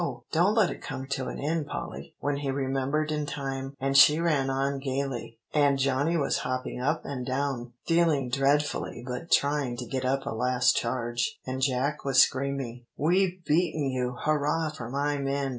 don't let it come to an end, Polly," when he remembered in time; and she ran on gayly, "And Johnny was hopping up and down, feeling dreadfully but trying to get up a last charge, and Jack was screaming, 'We've beaten you hurrah for my men!